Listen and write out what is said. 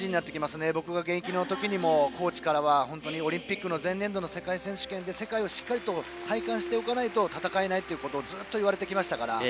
僕が現役の時もオリンピックの前年度の世界選手権で世界をしっかりと体感しておかないと戦えないとずっと言われてきましたから。